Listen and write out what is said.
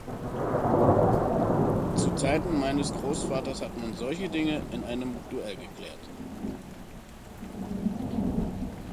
Zu Zeiten meines Großvaters hat man solche Dinge in einem Duell geklärt.